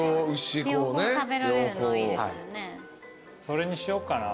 それにしようかな。